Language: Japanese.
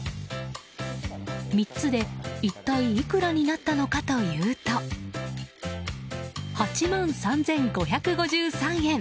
３つで一体いくらになったのかというと８万３５５３円。